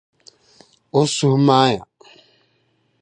O suhu maaya.